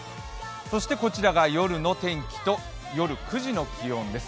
そしてこちらが夜の天気と夜９時の気温です。